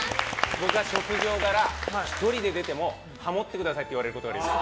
僕は職業柄、１人で出てもハモッてくださいって言われることがあります。